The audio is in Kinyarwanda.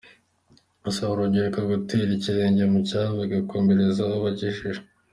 Asaba urubyiruko gutera ikirenge mu cyabo bagakomereza aho bagejeje.